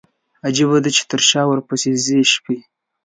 عجيبه ده، چې تر شا ورپسي ځي شپي